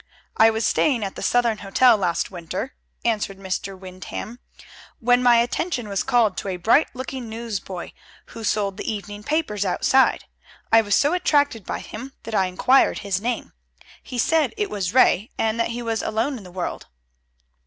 "I was staying at the Southern Hotel last winter," answered Mr. Windham, "when my attention was called to a bright looking newsboy who sold the evening papers outside. I was so attracted by him that I inquired his name. He said it was Ray, and that he was alone in the world."